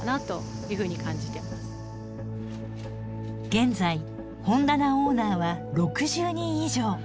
現在本棚オーナーは６０人以上。